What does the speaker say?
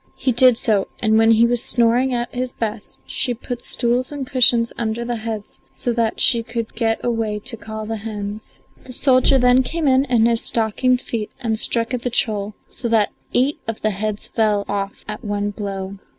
He did so, and when he was snoring at his best she put stools and cushions under the heads so that she could get away to call the hens. The soldier then came in in his stockinged feet and struck at the troll, so that eight of the heads fell off at one blow.